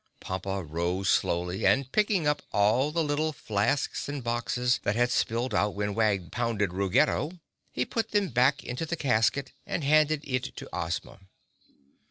Pompa rose slowly and, picking up all the little flasks and boxes that had spilled out when Wag pounded Ruggedo, he put them back into the casket and handed it to Ozma.